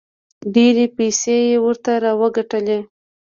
ډېرې پیسې یې ورته راوګټلې.